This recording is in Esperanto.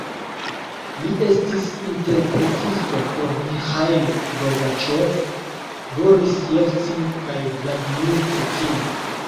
Li estis interpretisto por Miĥail Gorbaĉov, Boris Jelcin, kaj Vladimir Putin.